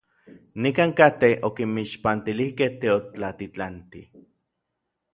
Nikankatej okinmixpantilijkej teotlatitlantij.